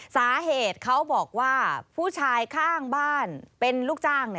สาเหตุเขาบอกว่าผู้ชายข้างบ้านเป็นลูกจ้าง